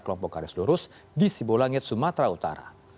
kelompok garis lurus di sibu langit sumatera utara